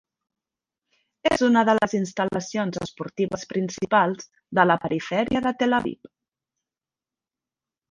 És una de les instal·lacions esportives principals de la perifèria de Tel-Aviv.